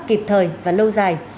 kịp thời và lâu dài